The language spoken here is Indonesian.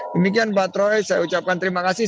demikian pak troy saya ucapkan terima kasih